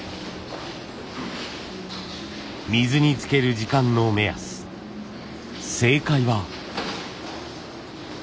水につける時間の目安正解は。